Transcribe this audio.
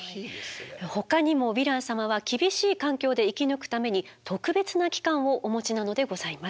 ほかにもヴィラン様は厳しい環境で生き抜くために特別な器官をお持ちなのでございます。